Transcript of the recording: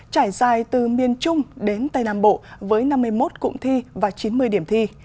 trải dài từ miền trung đến tây nam bộ với năm mươi một cụm thi và chín mươi điểm thi